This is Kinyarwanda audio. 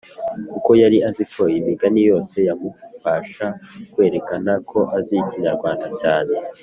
kuko yari azi ko imigani yose yamufasha kwerekana ko azi ikinyarwanda cyane